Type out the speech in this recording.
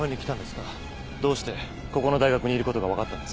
どうしてここの大学にいることが分かったんですか？